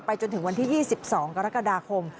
จนถึงวันที่๒๒กรกฎาคม